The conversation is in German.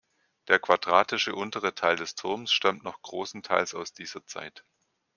Der quadratische untere Teil des Turms stammt noch großenteils aus dieser Zeit.